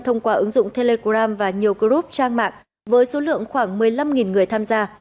thông qua ứng dụng telegram và nhiều group trang mạng với số lượng khoảng một mươi năm người tham gia